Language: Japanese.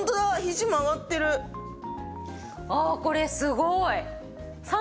ああこれすごーい。